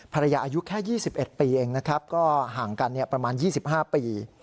ภรรยาอายุแค่ยี่สิบเอ็ดปีเองนะครับก็ห่างกันเนี่ยประมาณยี่สิบห้าปี